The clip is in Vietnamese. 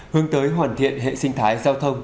hướng tới hoàn thiện hệ sinh thái giao thông